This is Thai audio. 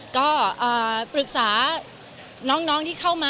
ก็ปรึกษาน้องที่เข้ามา